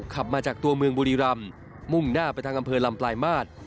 ขับมาจากตัวเมืองบุรีรำมุ่งหน้าไปทางอำเภอลำปลายมาตร